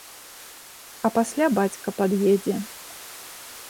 А пасля бацька пад'едзе.